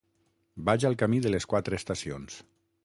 Vaig al camí de les Quatre Estacions.